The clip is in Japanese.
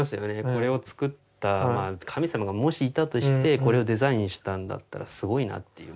これを作った神様がもしいたとしてこれをデザインしたんだったらすごいなっていう。